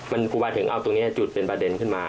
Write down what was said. มันครูบาจรองเขาถึงเอาตรงนี้จุดเป็นประเด็นขึ้นมา